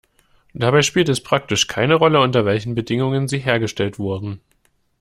Dabei spielt es praktisch keine Rolle, unter welchen Bedingungen sie hergestellt wurden.